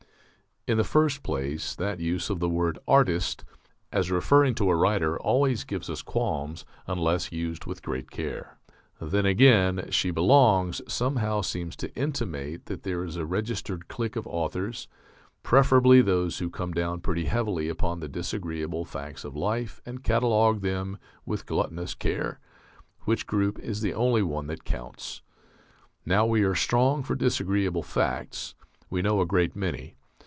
_" In the first place, that use of the word artist as referring to a writer always gives us qualms unless used with great care. Then again, She belongs somehow seems to intimate that there is a registered clique of authors, preferably those who come down pretty heavily upon the disagreeable facts of life and catalogue them with gluttonous care, which group is the only one that counts. Now we are strong for disagreeable facts. We know a great many.